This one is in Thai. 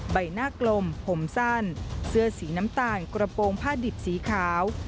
ใบหน้ากลมผมสั้นเสื้อสีน้ำตาลกระโปรงผ้าดิบสีขาว